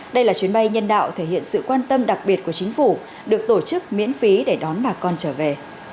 đây là chuyến bay nhân đạo thể hiện sự quan tâm đặc biệt của chính phủ được tổ chức miễn phí để đón bà con trở về